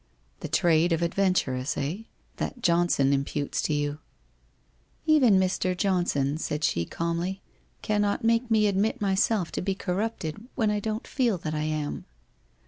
' The trade of adventuress, eh? That Johnson imputes to you.' ' Even Mr. Johnson,' said she calmly, ' cannot make me admit myself to be corrupted when I don't feel that I am.'